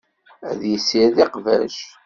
Ad yessired iqbac.